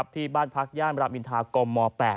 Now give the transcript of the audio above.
ที่บ้านพักย่านรามอินทากม๘